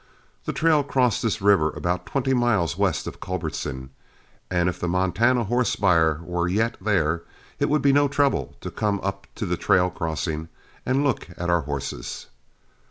The trail crossed this river about twenty miles west of Culbertson, and if the Montana horse buyer were yet there, it would be no trouble to come up to the trail crossing and look at our horses.